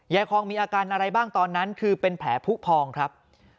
คองมีอาการอะไรบ้างตอนนั้นคือเป็นแผลผู้พองครับ